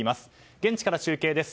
現地から中継です。